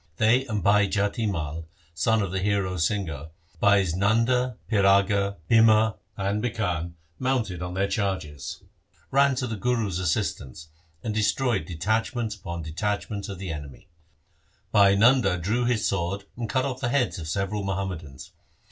They and Bhai Jati Mai — son of the hero Singha — Bhais Nanda, Piraga, Bhima, and Bhikhan mounted on their chargers, ran to the Guru's assist ance, and destroyed detachment upon detachment of the enemy. Bhai Nanda drew his sword, and cut off the heads of several Muhammadans.